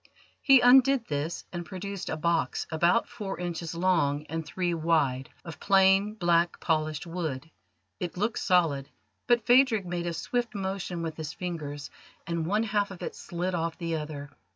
He undid this and produced a box, about four inches long and three wide, of plain black polished wood. It looked solid, but Phadrig made a swift motion with his fingers, and one half of it slid off the other.